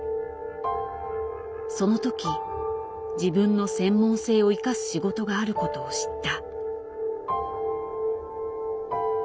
その時自分の専門性を生かす仕事があることを知った。